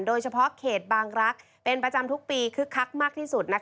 โดยเฉพาะเขตบางรักษ์เป็นประจำทุกปีคึกคักมากที่สุด